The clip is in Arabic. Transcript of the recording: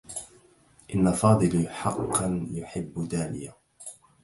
إنّ فاضل حقّا يحبّ دانية.